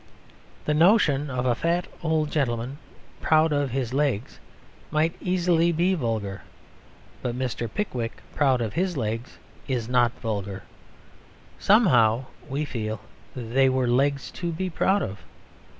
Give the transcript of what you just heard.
The notion of a fat old gentleman proud of his legs might easily be vulgar. But Mr. Pickwick proud of his legs is not vulgar; somehow we feel that they were legs to be proud of.